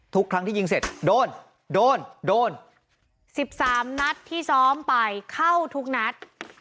ทุกครั้งที่ยิงเสร็จโดนโดนโดน๑๓นัดที่ซ้อมไปเข้าทุกนัด